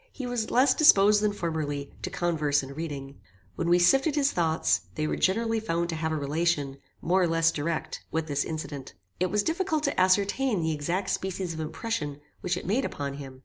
He was less disposed than formerly to converse and reading. When we sifted his thoughts, they were generally found to have a relation, more or less direct, with this incident. It was difficult to ascertain the exact species of impression which it made upon him.